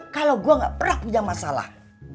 kalau gue gak pernah punya masalah